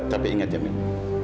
tapi ingat ya mil